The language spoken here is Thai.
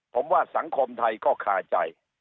ผมว่าสังคมไทยก็คาใจ